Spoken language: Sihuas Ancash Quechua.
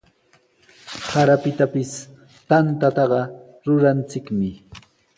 Sarapitapis tantaqa ruranchikmi.